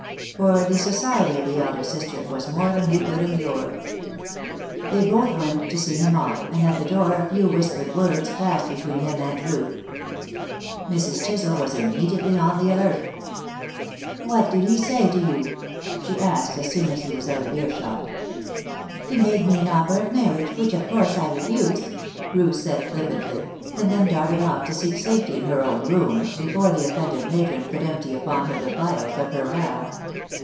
For the society of the elder sister was more than he could endure. They both went to see him off, and at the door a few whispered words passed between him and Ruth. Mrs. Chisel was immediately on the alert. "What did he say to you?" she asked as soon as he was out of earshot. "He made me an offer of marriage, which, of course, I refused," Ruth said, flippantly, and then darted off to seek safety in her own room before the offended matron could empty upon her the vials of her wrath.